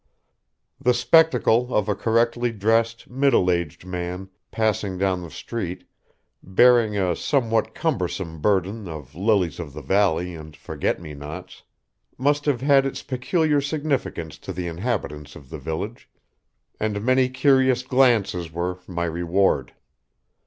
The spectacle of a correctly dressed, middle aged man passing down the street, bearing a somewhat cumbersome burden of lilies of the valley and forget me nots, must have had its peculiar significance to the inhabitants of the village, and many curious glances were my reward.